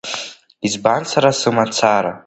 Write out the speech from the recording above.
Избан сара сымацара?